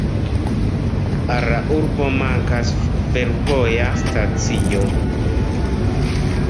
Al la urbo mankas fervoja stacio.